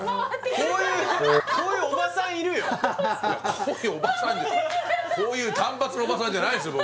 こういうおばさんってこういう短髪のおばさんじゃないっすよ